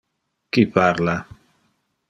Qui parla?